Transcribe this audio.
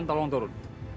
kalian tolong turun